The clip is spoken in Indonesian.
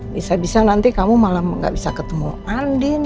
bisa bisa nanti kamu malah gak bisa ketemu andin